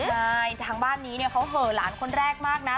ใช่ทางบ้านนี้เนี่ยเขาเหอะหลานคนแรกมากนะ